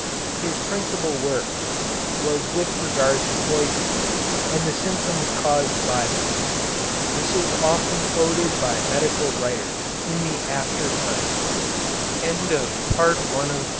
His principal work was with regard to poisons and the symptoms caused by them. This is often quoted by medical writers in the after time. The prominent Jewish p